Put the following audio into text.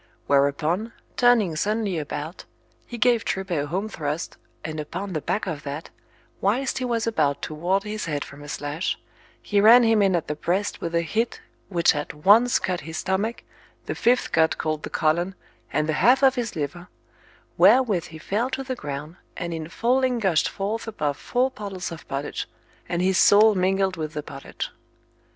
Whereupon, turning suddenly about, he gave Tripet a home thrust, and upon the back of that, whilst he was about to ward his head from a slash, he ran him in at the breast with a hit, which at once cut his stomach, the fifth gut called the colon, and the half of his liver, wherewith he fell to the ground, and in falling gushed forth above four pottles of pottage, and his soul mingled with the pottage.